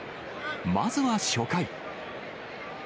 まずは初回。